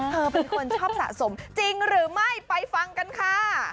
เธอเป็นคนชอบสะสมจริงหรือไม่ไปฟังกันค่ะ